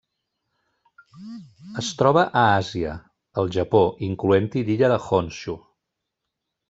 Es troba a Àsia: el Japó, incloent-hi l'illa de Honshu.